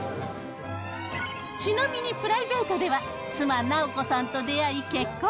ちなみに、プライベートでは妻、直子さんと出会い結婚。